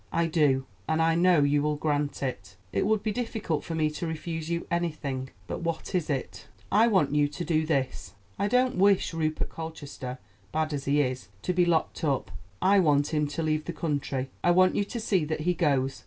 "I do; and I know you will grant it." "It would be difficult for me to refuse you anything; but what is it?" "I want you to do this. I don't wish Rupert Colchester, bad as he is, to be locked up. I want him to leave the country; I want you to see that he goes.